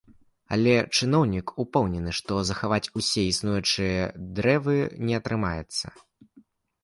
Але чыноўнік упэўнены, што захаваць усе існуючыя дрэвы не атрымаецца.